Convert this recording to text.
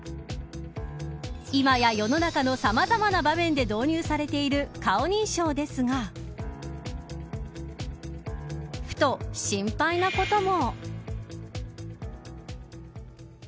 今や世の中のさまざまな場面で導入されている顔認証ですがふと心配なことも。